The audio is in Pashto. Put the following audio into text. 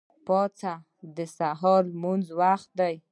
پاڅه! د سهار د لمونځ وخت دی.